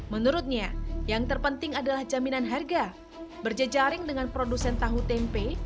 menurutnya yang terpenting adalah jaminan harga berjejaring dengan produsen tahu tempe